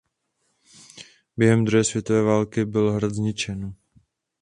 Během druhé světové války byl hrad zničen.